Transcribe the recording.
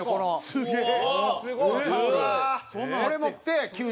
すげえ！